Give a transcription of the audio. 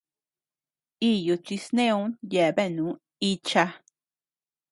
Iyu chi sneu yeabean icha.